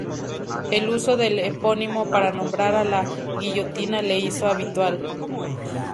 El uso del epónimo para nombrar a la guillotina se hizo habitual.